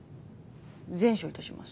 善処いたします。